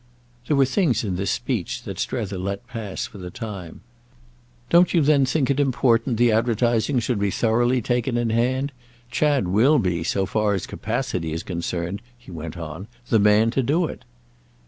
There were things in this speech that Strether let pass for the time. "Don't you then think it important the advertising should be thoroughly taken in hand? Chad will be, so far as capacity is concerned," he went on, "the man to do it."